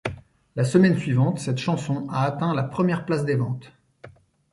La semaine suivante, cette chanson a atteint la première place des ventes.